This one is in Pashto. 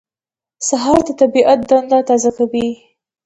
سهار د طبیعت دنده تازه کوي.